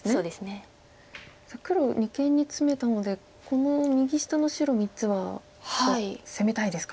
さあ黒二間にツメたのでこの右下の白３つは攻めたいですか？